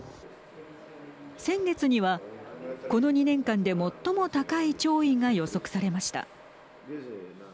先月にはこの２年間で最も高い潮位が予測されました。